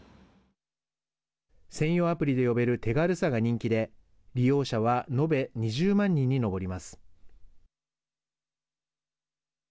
専用アプリで呼べる手軽さが人気で利用者は延べ２０万人に上ります。